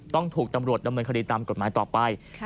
ต้องถูกตำรวจดำเนินคดีตามกฎหมายต่อไป